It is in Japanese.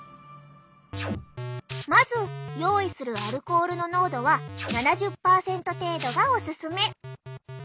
まず用意するアルコールの濃度は７０％程度がオススメ。